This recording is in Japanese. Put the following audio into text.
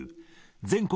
全国